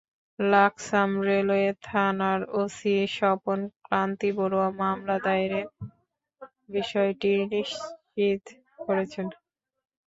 Laksam railway থানার OC Swapan Kanti Barua মামলা দায়েরের বিষয়টি নিশ্চিত করেছেন।